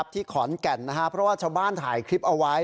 ที่ขอนแก่นเพราะว่าชาวบ้านถ่ายคลิปเอาไว้